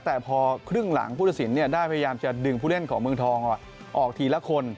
แต่พอครึ่งหลังผู้ตัดสินได้พยายามจะดึงผู้เล่นของเมืองทองออกทีละคน